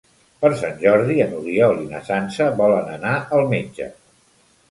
Per Sant Jordi n'Oriol i na Sança volen anar al metge.